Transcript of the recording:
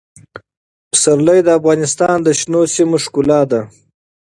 پسرلی د افغانستان د شنو سیمو ښکلا ده.